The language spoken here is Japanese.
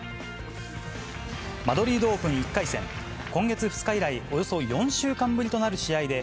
マドリードオープン１回戦、今月２日以来、およそ４週間ぶりとなる試合で、